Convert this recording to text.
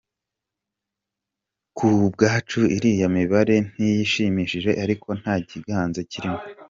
Kubwacu iriya mibare ntishimishije ariko nta gitangaza kirimo.